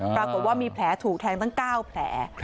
ปรากฏว่ามีแผลถูกแทงตั้ง๙แผล